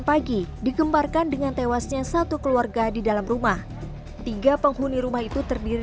pagi digembarkan dengan tewasnya satu keluarga di dalam rumah tiga penghuni rumah itu terdiri